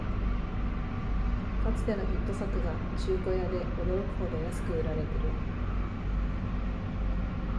かつてのヒット作が中古屋で驚くほど安く売られてる